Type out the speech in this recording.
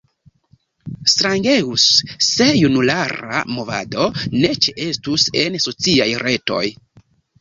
Strangegus se junulara movado ne ĉeestus en sociaj retoj.